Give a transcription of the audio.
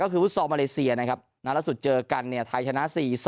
ก็คือฟุตซอลมาเลเซียนะครับนัดล่าสุดเจอกันเนี่ยไทยชนะ๔๐